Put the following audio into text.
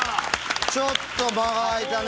ちょっと間が空いたね。